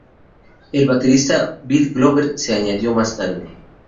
El baterista Bill Glover se añadió más tarde.